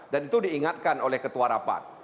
dan itu diingatkan oleh ketua rapat